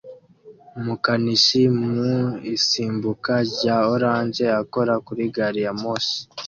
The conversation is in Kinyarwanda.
Umukanishi mu isimbuka rya orange akora kuri gari ya moshi